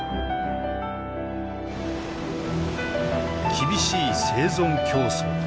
厳しい生存競争。